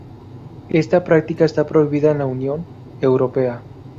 Esta práctica está prohibida en la Unión Europea.